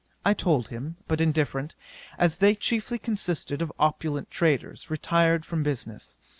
I told him, but indifferent; as they chiefly consisted of opulent traders, retired from business.